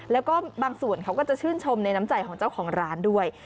แล้วก็บางส่วนเขาก็จะชื่นชมในน้ำใจของเจ้าของร้านด้วย